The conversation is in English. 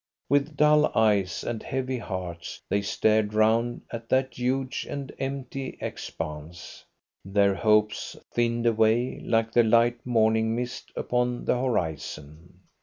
With dull eyes and heavy hearts they stared round at that huge and empty expanse. Their hopes thinned away like the light morning mist upon the horizon.